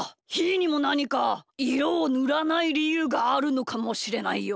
なにかいろをぬらないりゆうがあるのかもしれないよ。